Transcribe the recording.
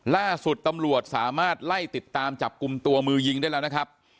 ล่าสุดตำรวจสามารถไล่ติดตามจับกลุ่มตัวมือยิงได้แล้วนะครับ